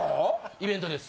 イベントです。